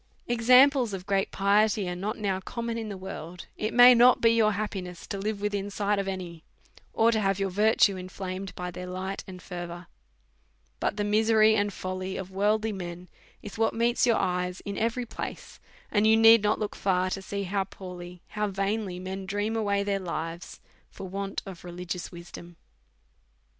Examples of great piety are not now common in the Avorld, it may not be your happiness to live within sight of any, or to have your virtue inflamed by their light and fervour ; but the misery and folly of worldly men is what meets your eyes in every place, and you need not look far to see how poorly, how vainly, men dream away their lives for want of religious wisdom.